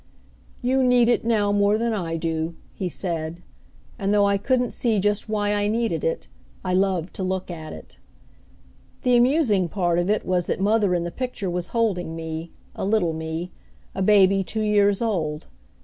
"You need it now more than I do," he said, and though I couldn't see just why I needed it, I loved to look at it. The amusing part of it was that mother in the picture was holding me a little me a baby two years old.